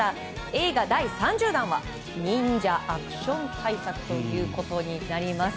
映画第３０弾は忍者アクション大作ということになります。